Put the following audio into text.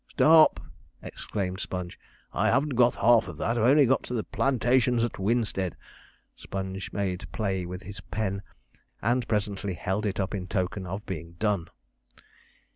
"' 'Stop!' exclaimed Sponge, 'I haven't got half that; I've only got to "the plantations at Winstead."' Sponge made play with his pen, and presently held it up in token of being done.